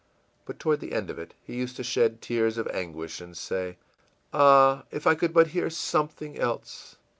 î But toward the end of it he used to shed tears of anguish and say, ìAh, if I could but hear something else!